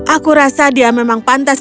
aku rasa dia memang pantas